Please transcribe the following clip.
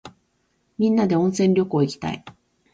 みんなで温泉旅行いきたい。